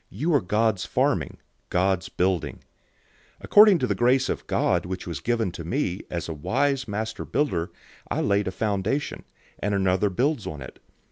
You are God's farming, God's building. 003:010 According to the grace of God which was given to me, as a wise master builder I laid a foundation, and another builds on it.